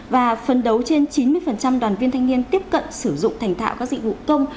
và phấn đấu trên chín mươi đoàn viên thanh niên tiếp cận sử dụng thành thạo các dịch vụ công